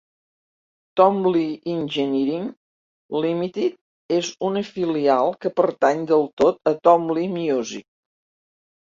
Tom Lee Engineering Limited és una filial que pertany del tot a Tom Lee Music.